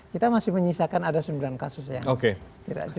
kita masih menyisakan ada sembilan kasus yang tidak jelas